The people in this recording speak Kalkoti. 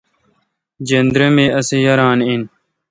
جندرے می اسی یاران این۔